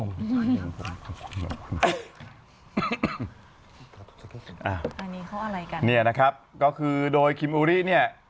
นี่นะครับก็คือโดยคิมอุริเนี่ย